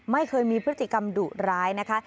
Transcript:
ไม่เคยมีพฤติกรรมดุร้ายนะคะ